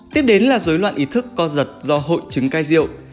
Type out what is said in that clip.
tiếp đến là dối loạn ý thức co giật do hội chứng cai rượu